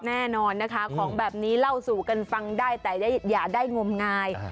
แน่นอนนะคะของแบบนี้เล่าสู่กันฟังได้แต่อย่าได้งมงาย